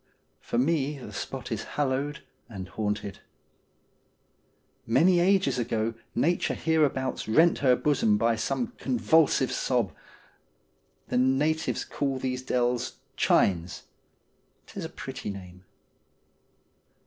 For me the spot is hallowed and haunted. Many ages ago Nature hereabouts rent her bosom by some convulsive sob. The natives call these dells ' chines.' It is a pretty name.